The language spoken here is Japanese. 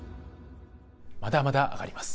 まだまだ上がります。